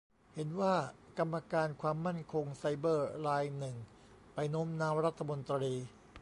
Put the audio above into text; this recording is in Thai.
เห็นว่ากรรมการความมั่นคงไซเบอร์รายหนึ่งไปโน้มน้าวรัฐมนตรี